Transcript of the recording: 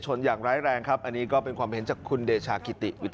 หนูก็ไม่รู้ว่าหนูจะแจ้งทางไหนดีติดต่อทางไหนดี